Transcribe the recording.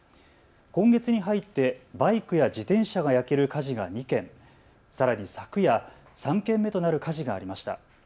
今月に入ってバイクや自転車が焼ける火事が２件、さらに昨夜、３件目となる火事がありました。